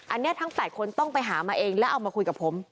อันนี้ทั้ง๘คนต้องไปหามาเองแล้วเอามาคุยกับผม